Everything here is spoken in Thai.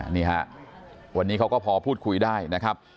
นี่ฮะวันนี้เขาก็พอพูดคุยได้นะครับ